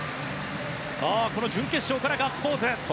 準決勝からガッツポーズ。